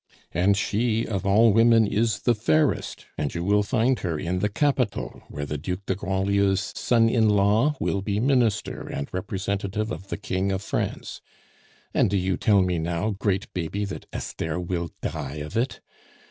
And she of all women is the fairest, and you will find her in the capital where the Duc de Grandlieu's son in law will be Minister and representative of the King of France. And do you tell me now, great Baby, that Esther will die of it?